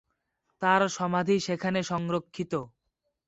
তার সমাধি সেখানে সংরক্ষিত।